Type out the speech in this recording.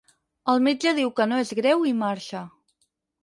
El metge diu que no és greu i marxa.